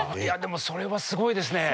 それはすごいですね。